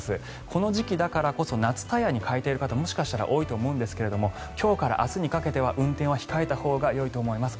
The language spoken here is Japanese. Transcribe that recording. この時期だからこそ夏タイヤに変えている方もしかしたら多いと思うんですが今日から明日にかけては運転は控えたほうがいいと思います。